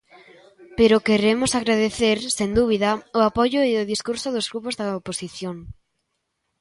Pero queremos agradecer, sen dúbida, o apoio e o discurso dos grupos da oposición.